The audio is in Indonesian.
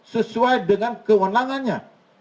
sesuai dengan kewenangannya